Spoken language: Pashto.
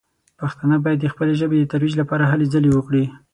پښتانه باید د خپلې ژبې د ترویج لپاره هلې ځلې وکړي.